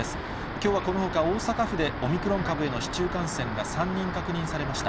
きょうはこのほか、大阪府でオミクロン株への市中感染が３人確認されました。